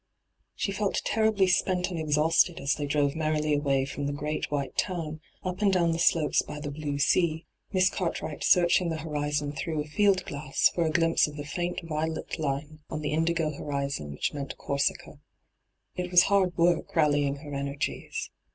She felt terribly spent and exhausted as they drove merrily away from the great white town, up and down the slopes by the blue sea. Miss Cartwright searching the horizon through a field glass for a glimpse of the &int violet line on the indigo horizon which meant Corsica. It was hard work rallying her energies.